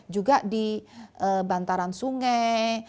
juga di bantaran sungai